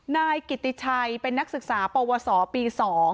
นายกิติชัยเป็นนักศึกษาปวสปี๒